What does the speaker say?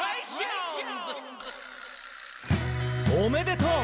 「おめでとう！」